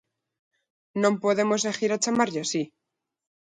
Non podemos seguir a chamarlle así.